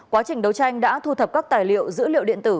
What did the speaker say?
quá trình đấu tranh đã thu thập các tài liệu dữ liệu điện tử